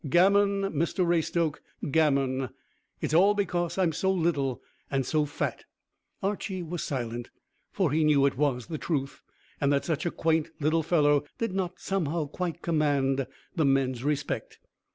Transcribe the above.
Gammon, Mr Raystoke, gammon! It's all because I'm so little and so fat." Archy was silent, for he knew it was the truth, and that such a quaint little fellow did not somehow quite command the men's respect.